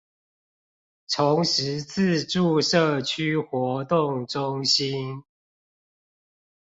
崇實自助社區活動中心